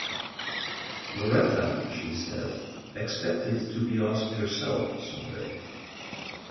Lauretta she said expected to be asked herself someday.